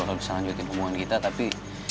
kemarin abah bisa lanjutin hubungan kita tapi